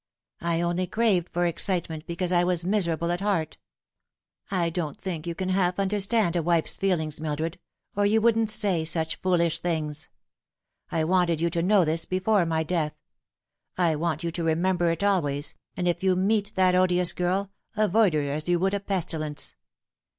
" I only craved for excitement because I was miserable at heart. I don't think you can half understand a wife's feelings, Mildred, or you wouldn't say such foolish things. I wanted you to know this before my death. I want you to remember it always, and if you meet that odious girl, avoid her as you would a pestilence.